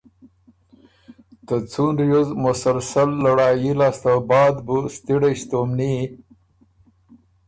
ته څُون ریوز مسلسل لړايي لاسته بعد بُو ستړئ ستومني